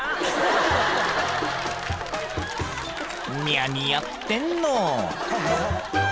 ［ニャにやってんの？］